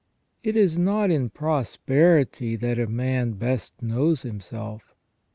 It is not in prosperity that a man best knows himself.